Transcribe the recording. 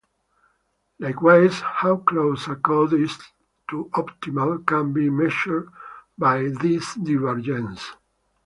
Likewise, how close a code is to optimal can be measured by this divergence.